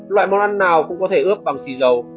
loại món ăn nào cũng có thể ướp bằng xì dầu